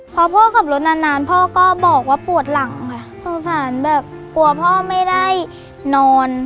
พอพ่อขับรถนานนานพ่อก็บอกว่าปวดหลังค่ะสงสารแบบกลัวพ่อไม่ได้นอน